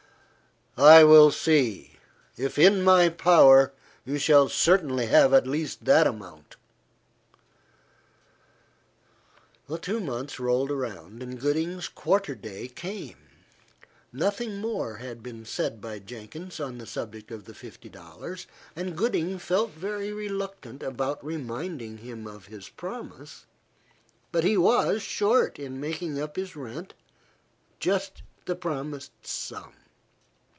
"I will see. If in my power, you shall certainly have at least that amount." Two months rolled round, and Gooding's quarter day came. Nothing more had been said by Jenkins on the subject of the fifty dollars, and Gooding felt very reluctant about reminding him of his promise; but he was short in making up his rent, just the promised sum.